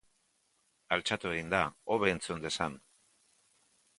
Altxatu egin da, hobe entzun dezan.